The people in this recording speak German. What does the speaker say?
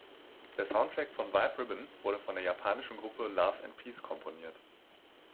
Der Soundtrack von Vib-Ribbon wurde von der japanischen Gruppe "Laugh and Peace" komponiert.